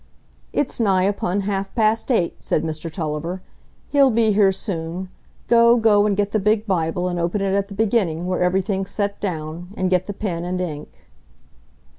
"It's nigh upon half past eight," said Mr Tulliver. "He'll be here soon. Go, go and get the big Bible, and open it at the beginning, where everything's set down. And get the pen and ink."